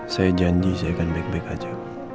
saya janji saya akan baik baik aja